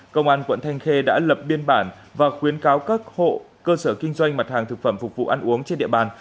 công an quận thanh khê đã lập biên bản và khuyến cáo các hộ cơ sở kinh doanh mặt hàng thực phẩm phục vụ ăn uống trên địa bàn